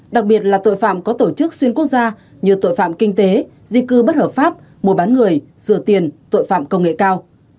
đặc biệt là tội phạm có tổ chức xuyên quốc gia như tội phạm kinh tế di cư bất hợp pháp mua bán người rửa tiền tội phạm công nghệ cao